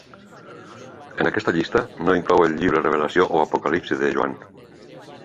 En aquesta llista no inclou el llibre de Revelació o Apocalipsi de Joan.